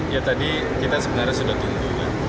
ya tadi kita sebenarnya sudah tunggu